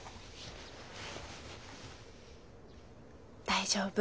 大丈夫。